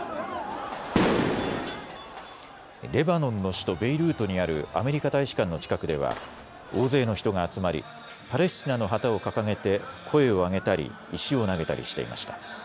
レバノンの首都ベイルートにあるアメリカ大使館の近くでは大勢の人が集まりパレスチナの旗を掲げて声を上げたり石を投げたりしていました。